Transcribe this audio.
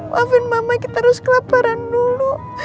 maafin mama kita harus kelaparan dulu